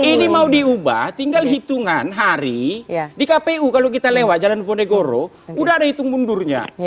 ini mau diubah tinggal hitungan hari di kpu kalau kita lewat jalan ponegoro udah ada hitung mundurnya